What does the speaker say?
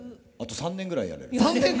３年ぐらいやれる？